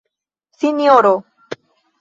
sinjoro